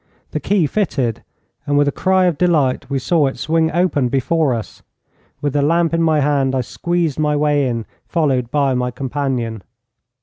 The key fitted, and with a cry of delight we saw it swing open before us. With the lamp in my hand, I squeezed my way in, followed by my companion.